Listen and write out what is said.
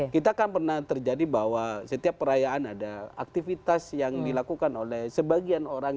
kita kan pernah terjadi bahwa setiap perayaan ada aktivitas yang dilakukan oleh sebagian orang